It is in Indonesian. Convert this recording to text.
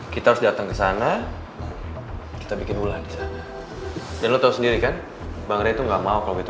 kita datang kesana kita bikin ulan dan lu tahu sendiri kan bang itu nggak mau kalau kita